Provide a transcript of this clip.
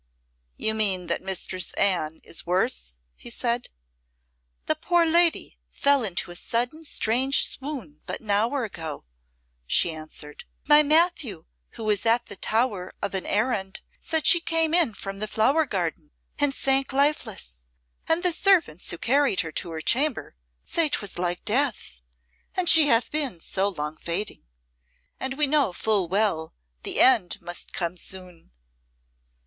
"You mean that Mistress Anne is worse?" he said. "The poor lady fell into a sudden strange swoon but an hour ago," she answered. "My Matthew, who was at the Tower of an errand said she came in from the flower garden and sank lifeless. And the servants who carried her to her chamber say 'twas like death. And she hath been so long fading. And we know full well the end must come soon."